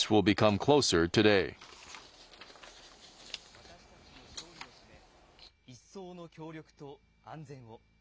私たちの勝利のため一層の協力と安全を。